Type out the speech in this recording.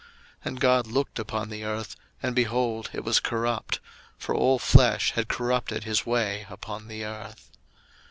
01:006:012 And God looked upon the earth, and, behold, it was corrupt; for all flesh had corrupted his way upon the earth.